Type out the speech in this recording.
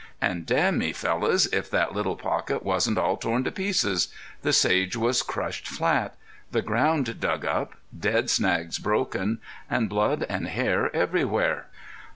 An' damn me fellows, if that little pocket wasn't all torn to pieces. The sage was crushed flat. The ground dug up, dead snags broken, and blood and hair everywhere.